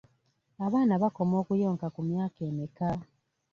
Abaana bakoma okuyonka ku myaka emeka?